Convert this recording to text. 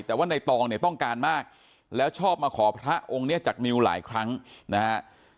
แต่ว่าในตองเนี่ยต้องการมากแล้วชอบมาขอพระองค์เนี่ยจากนิวหลายครั้งนะฮะ